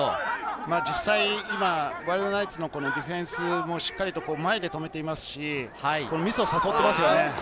実際に今、ワイルドナイツのディフェンスもしっかりと前で止めていますし、ミスを誘ってますよね。